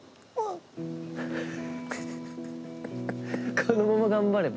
このまま頑張れば。